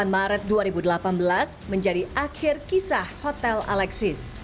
dua puluh delapan maret dua ribu delapan belas menjadi akhir kisah hotel alexis